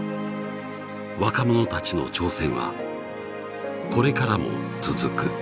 若者たちの挑戦はこれからも続く。